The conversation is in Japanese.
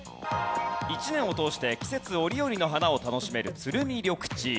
１年を通して季節折々の花を楽しめる鶴見緑地。